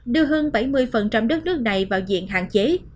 đưa hơn bảy mươi đất nước này vào diện hạn chế